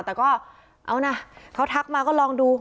แต่ก็เอานะเขาทักมาก็ลองดู